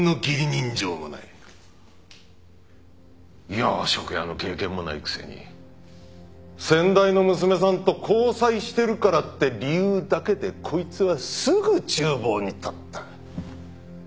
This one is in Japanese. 洋食屋の経験もないくせに先代の娘さんと交際してるからって理由だけでこいつはすぐ厨房に立った。